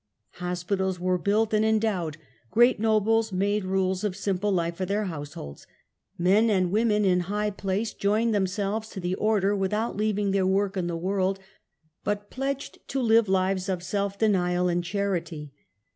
Hospitals were built and endowed, great nobles made rules of simple life for their households, men and women in high place joined themselves to the order without leaving their work in the world, but pledged to lives of self denial and charity.